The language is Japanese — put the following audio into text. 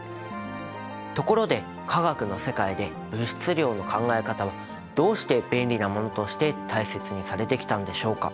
ところで化学の世界で「物質量」の考え方はどうして便利なものとして大切にされてきたんでしょうか。